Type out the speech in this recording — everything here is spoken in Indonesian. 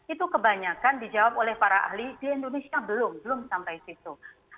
itu kebanyakan dijawab oleh para ahli di indonesia belum belum sampai situ